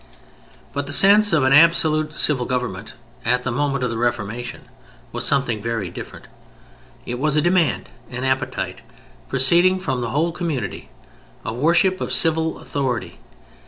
But the sense of an absolute civil government at the moment of the Reformation was something very different. It was a demand, an appetite, proceeding from the whole community, a worship of civil authority.